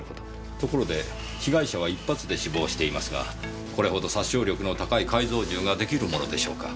ところで被害者は１発で死亡していますがこれほど殺傷力の高い改造銃ができるものでしょうか。